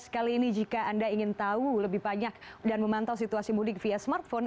kali ini jika anda ingin tahu lebih banyak dan memantau situasi mudik via smartphone